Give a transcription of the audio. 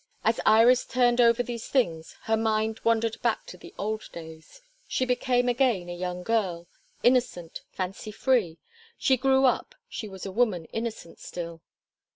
As Iris turned over these things her mind wandered back to the old days. She became again a young girl innocent, fancy free; she grew up she was a woman innocent still.